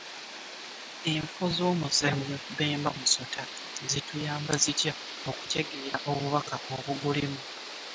Enfo z’omuzannyo Bemba Musota zituyamba zitya okutegeera obubaka obugulimu?